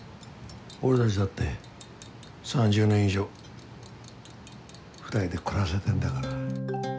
俺たちだって３０年以上２人で暮らせてんだから。